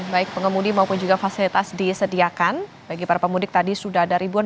baik pengemudi maupun juga fasilitas disediakan bagi para pemudik tadi sudah ada ribuan